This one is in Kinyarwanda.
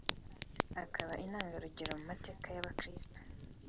akaba intangarugero mu mateka y’Abakirisitu